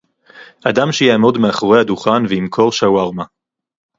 אדם שיעמוד מאחורי הדוכן וימכור שווארמה